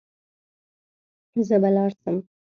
زه به لاړ سم.